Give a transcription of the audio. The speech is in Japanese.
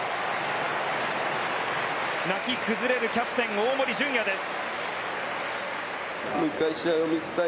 泣き崩れるキャプテン大森准弥です。